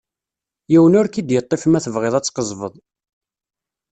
Yiwen ur k-id-yeṭṭif ma tebɣiḍ ad tqezzbeḍ.